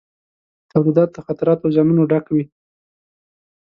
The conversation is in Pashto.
تولیدات د خطراتو او زیانونو ډک وي.